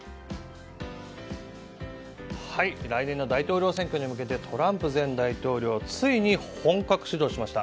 来年の大統領選挙に向けてトランプ前大統領がついに本格始動しました。